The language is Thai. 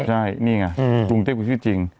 ใช่นี่ไงกรุงเทพคือชื่อจริง